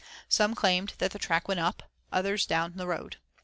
Some claimed that the track went up, others down the road.